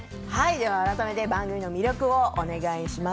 改めて番組の魅力をお願いします。